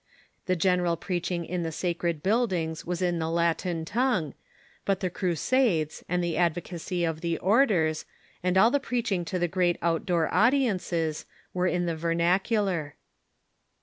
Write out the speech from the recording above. The general preaching in the sacred buildings was in the Latin tongue. But the Crusades, and the advocacy of the orders, and all the preaching to the great out door audiences, were in the vernacular.